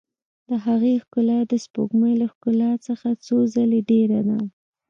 د هغې ښکلا د سپوږمۍ له ښکلا څخه څو ځلې ډېره ده.